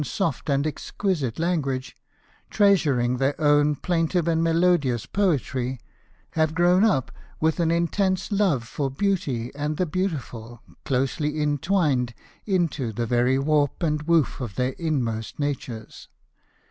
61 soft and exquisite language, treasuring their owr plaintive and melodious poetry, have grown up with an intense love for beauty and the beautiful closely intwined into the very warp and woof of their inmost natures.